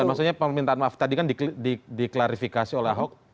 maksudnya permintaan maaf tadi kan diklarifikasi oleh ahok